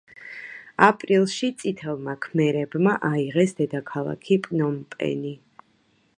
აპრილში წითელმა ქმერებმა აიღეს დედაქალაქი პნომპენი.